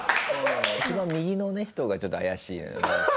一番右の人がちょっと怪しい。